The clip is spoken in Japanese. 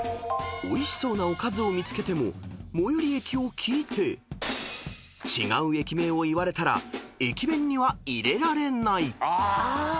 ［おいしそうなおかずを見つけても最寄駅を聞いて違う駅名を言われたら駅弁には入れられない］